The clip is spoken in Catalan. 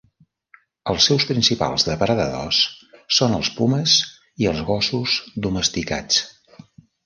Els seus principals depredadors són els pumes i els gossos domesticats.